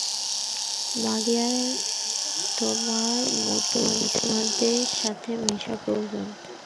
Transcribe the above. মারিয়ার তোমার মতোই স্মার্টদের সাথে মেশা প্রয়োজন।